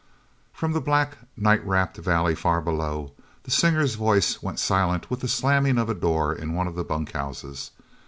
rom the black, night wrapped valley, far below, the singer's voice went silent with the slamming of a door in one of the bunkhouses.